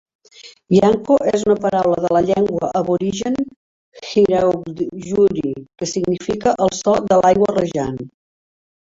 "Yanco" és una paraula de la llengua aborigen wiradjuri que significa "el so de l'aigua rajant".